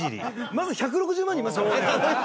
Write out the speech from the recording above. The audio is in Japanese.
まず１６０万人いますからね狩野イジり。